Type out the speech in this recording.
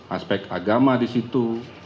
aspek agama di situ